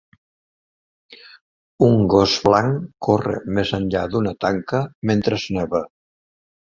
Un gos blanc corre més enllà d'una tanca mentre neva.